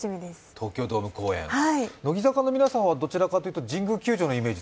東京ドーム公演乃木坂の皆さんはどちらかというと神宮球場のイメージ。